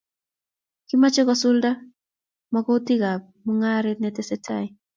kimochei kosulda mokutikab mung'aret neteseitai.